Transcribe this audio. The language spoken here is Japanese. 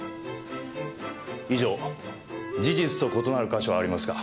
以上事実と異なる箇所はありますか？